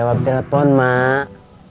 jawab telepon mak